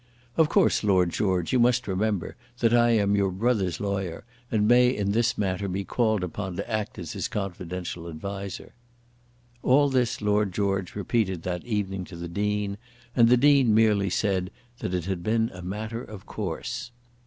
"Of course, Lord George, you must remember that I am your brother's lawyer, and may in this matter be called upon to act as his confidential adviser." All this Lord George repeated that evening to the Dean, and the Dean merely said that it had been a matter of course.